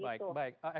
pride nya yang terganggu